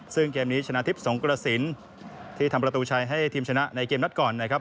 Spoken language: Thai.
ซึ่งเกมนี้ชนะทิพย์สงกระสินที่ทำประตูชัยให้ทีมชนะในเกมนัดก่อนนะครับ